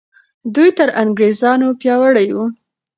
دوی تر انګریزانو پیاوړي وو.